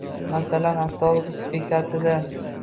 Masalan, avtobus bekatida